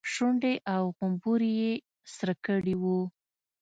شونډې او غومبري يې سره کړي وو.